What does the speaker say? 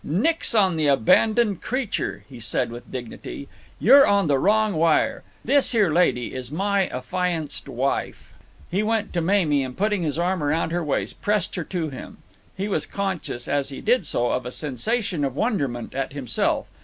"Nix on the 'abandoned creature,'" he said with dignity. "You're on the wrong wire! This here lady is my affianced wife!" He went to Mamie and, putting his arm round her waist, pressed her to him. He was conscious, as he did so, of a sensation of wonderment at himself.